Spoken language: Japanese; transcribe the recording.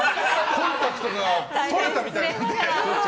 コンタクトがとれたみたいで。